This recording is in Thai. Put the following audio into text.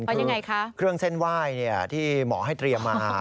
คือเครื่องเส้นไหว้นี่ที่หมอให้เตรียมมา